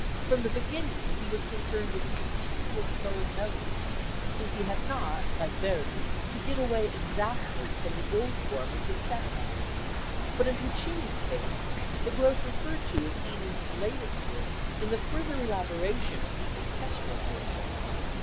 From the beginning he was concerned with the continuous flow of melody, since he had not, like Verdi, to get away exactly from the old form of the set numbers; but in Puccini's case, the growth referred to is seen in his latest work in the further elaboration of the orchestral portion.